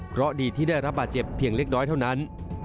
เพราะดีที่ได้รับบาดเจ็บเพียงเล็กน้อยเท่านั้น